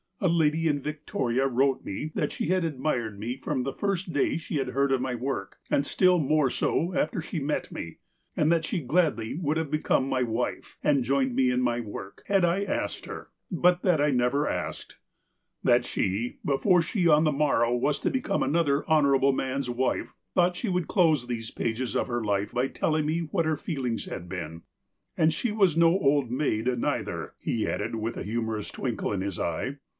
A lady in Victoria wrote me that she had admired me from the first day she had heard of my work, and still more so after she met me, and that she would gladly have become my wife, and joined me in my work, had I asked her. But that I had never asked. That she, before she on the morrow was to become another honourable man's wife, thought she would close these pages of her life by telling me what her feelings had been. " And she was no old maid, neither," he added with a humorous twinkle in his eye.